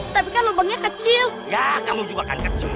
tapi kan lubangnya kecil ya kamu juga akan kecil